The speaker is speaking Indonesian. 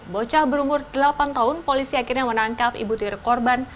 bocah berumur delapan tahun polisi akhirnya menangkap ibu tiri korban